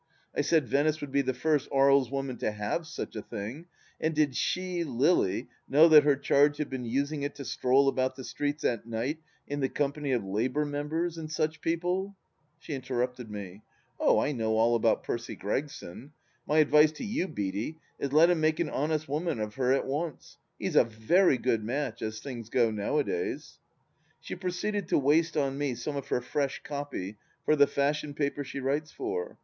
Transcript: I said Venice would be the first Aries woman to have such a thing, and did she, Lily, know that her charge had been using it to stroll about the streets at night in the company of Labour Members, and such people ? She interrupted me : "Oh, I know all about Percy Gregson. My advice to you, Beaty, is let him make an honest woman of her at once ! He's a very good match, as things go, nowadays I " She proceeded to waste on me some of her fresh copy for the fashion paper she writes for.